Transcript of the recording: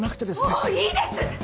もういいです！